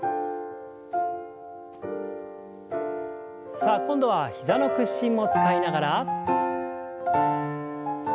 さあ今度は膝の屈伸も使いながら。